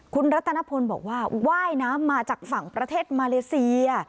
คุณรัตนพลบอกว่าว่ายน้ำมาจากฝั่งประเทศมาเลเซีย